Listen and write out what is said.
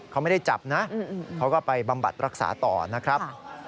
เขาไม่ได้จับนะเขาก็ไปบำบัดรักษาต่อนะครับ